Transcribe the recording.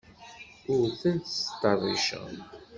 Ur ten-ttṭerriceɣ.